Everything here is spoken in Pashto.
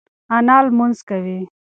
انا لمونځ کوي.